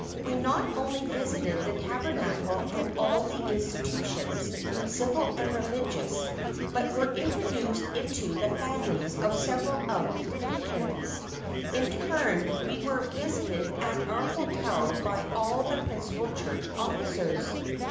We not only visited the Tabernacle and all the institutions, civil and religious, but were introduced into the families of several of the dignitaries. In turn, we were visited at our hotel by all the principal church officers.